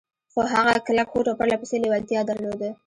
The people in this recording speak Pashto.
خو هغه کلک هوډ او پرله پسې لېوالتيا درلوده.